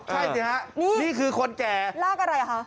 ใช่สิฮะนี่คือคนแก่ลากอะไรอ่ะคะ